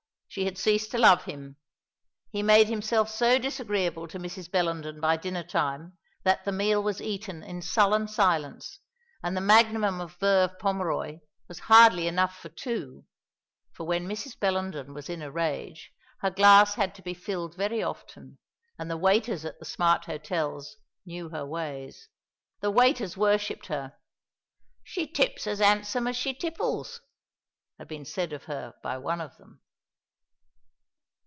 She had ceased to love him. He made himself so disagreeable to Mrs. Bellenden by dinner time that the meal was eaten in sullen silence; and the Magnum of Veuve Pommeroy was hardly enough for two, for when Mrs. Bellenden was in a rage her glass had to be filled very often, and the waiters at the smart hotels knew her ways. The waiters worshipped her. "She tips as handsome as she tipples," had been said of her by one of them.